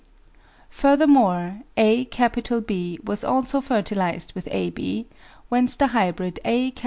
Furthermore, aB was also fertilised with ab, whence the hybrid aBb.